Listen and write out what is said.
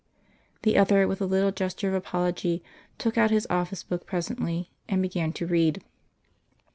The other, with a little gesture of apology, took out his office book presently, and began to read.